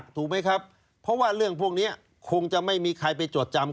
ถูกไหมครับเพราะว่าเรื่องพวกนี้คงจะไม่มีใครไปจดจำ